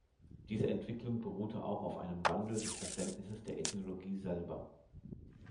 Diese Entwicklung beruhte auch auf einem Wandel des Verständnisses der Ethnologie selber.